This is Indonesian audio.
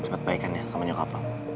cepat baikan ya sama nyokap lo